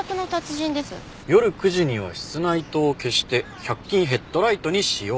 「夜９時には室内灯を消して百均ヘッドライトにしよう！」